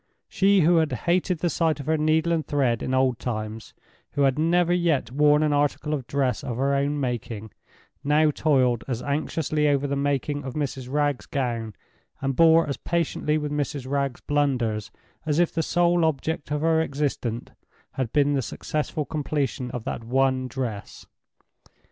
She who had hated the sight of her needle and thread in old times—who had never yet worn an article of dress of her own making—now toiled as anxiously over the making of Mrs. Wragge's gown, and bore as patiently with Mrs. Wragge's blunders, as if the sole object of her existence had been the successful completion of that one dress.